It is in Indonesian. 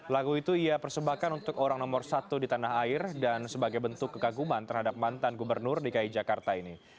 lagu itu ia persembahkan untuk orang nomor satu di tanah air dan sebagai bentuk kekaguman terhadap mantan gubernur dki jakarta ini